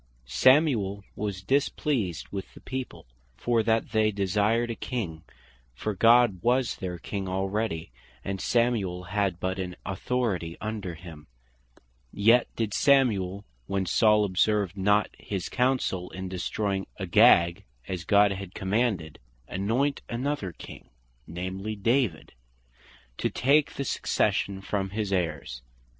Samuel was displeased with the people, for that they desired a King, (for God was their King already, and Samuel had but an authority under him); yet did Samuel, when Saul observed not his counsell, in destroying Agag as God had commanded, anoint another King, namely David, to take the succession from his heirs.